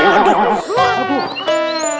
aduh apaan nih